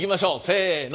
せの。